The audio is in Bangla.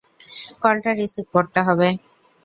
কলটা রিসিভ করতে হবে।